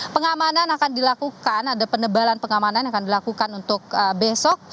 pengamanan akan dilakukan ada penebalan pengamanan yang akan dilakukan untuk besok